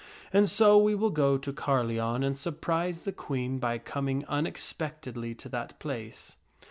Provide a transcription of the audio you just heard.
And so we will go to Carleon and surprise the Queen by coming unexpectedly to that place."